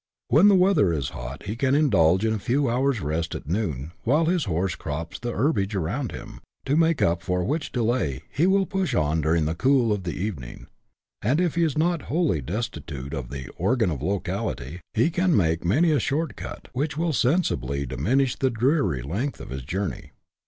When the weather is hot he can indulge in a few hours' rest at noon, while his horse crops the herbage around him ; to make up for which delay, he will push on during the cool of the evening ; and, if he is not wholly destitute of the " organ of locality," he can make many a short cut, which will sensibly diminish the dreary length of his journey.